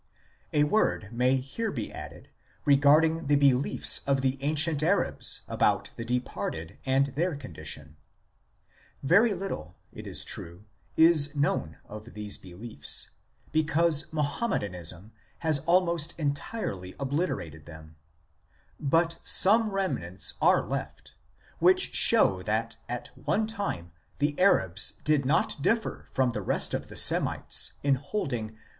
A word may here be added regarding the beliefs of the ancient Arabs about the departed and their condition. Very little, it is true, is known of these beliefs, because Mohammedanism has almost entirely obliterated them ; but some remnants are left which show that at one time the Arabs did not differ from the rest of the Semites in holding i Jeremias, Holle